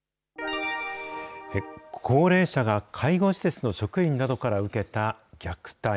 高齢者が介護施設の職員などから受けた虐待。